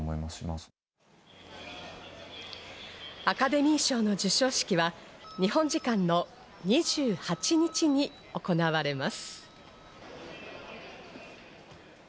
アカデミー賞の授賞式は日本時間の２８日に行われます。